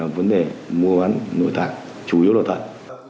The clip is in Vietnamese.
và bán nội tạng chủ yếu nội tạng